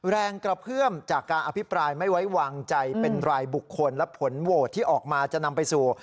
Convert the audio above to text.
แรงกระเพื่อมจากการอภิปรายไม่ไว้วางใจเป็นรายบุคคลและผลโหวตที่ออกมาจะนำไปสู่